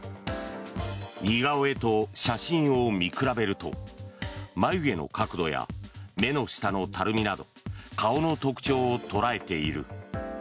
似顔絵と写真を見比べると眉毛の角度や目の下のたるみなど顔の特徴を捉えている。